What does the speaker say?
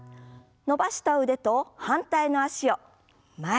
伸ばした腕と反対の脚を前です。